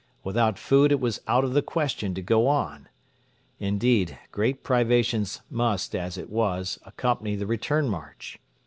Without food it was out of the question to go on. Indeed, great privations must, as it was, accompany the return march.